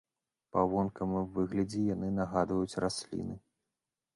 Па вонкавым выглядзе яны нагадваюць расліны.